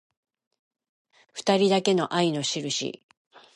ふたりだけの愛のしるし